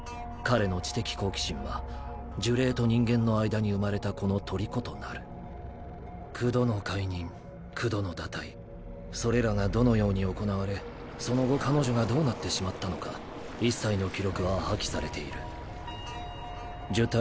彼の知的好奇心は呪霊と人間の間に産まれた子の虜となる九度の懐妊九度の堕胎それらがどのように行われその後彼女がどうなってしまったのか一切の記録は破棄されている呪